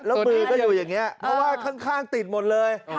แล้วมือก็อยู่อย่างนี้เพราะว่าข้างติดหมดเลย